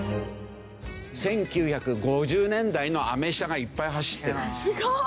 １９５０年代のアメ車がいっぱい走ってるんです。